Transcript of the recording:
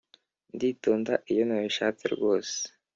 nditonda iyo nabishatse rwose